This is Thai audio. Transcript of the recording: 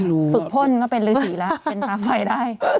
ฝึกพ่นก็เป็นฤษีแล้วเป็นน้ำไฟได้